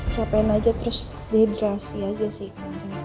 capek aja terus dihidrasi aja sih